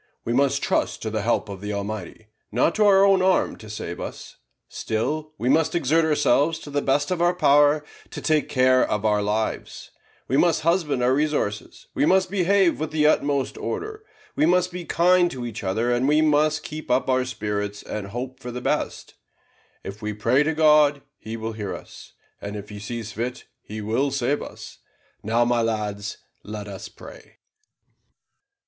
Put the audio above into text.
We must trust to the help of the Almighty, not to our own arm to save us; still we must exert ourselves to the best of our power to take care of our lives; we must husband our resources, we must behave with the utmost order, we must be kind to each other, and we must keep up our spirits and hope for the best. If we pray to God, He will hear us, and if He sees fit, He will save us. Now, my lads, let us pray."